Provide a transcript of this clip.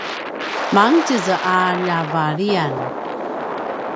mangetjez a ljavaliyan